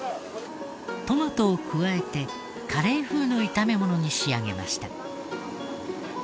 トマトを加えてカレー風の炒め物に仕上げました。